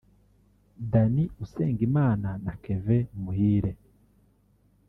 Danny Usengimana na Kevin Muhire